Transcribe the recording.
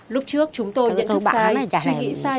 lúc trước chúng tôi nhận thức sai suy nghĩ sai